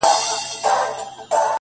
• يو نه دی چي و تاته په سرو سترگو ژاړي؛